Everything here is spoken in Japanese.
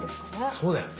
そうだよね。